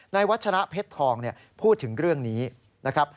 วัชระเพชรทองพูดถึงเรื่องนี้นะครับ